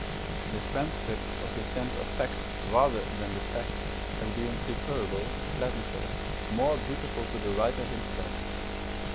The transcript of his sense of fact rather than the fact, as being preferable, pleasanter, more beautiful to the writer himself.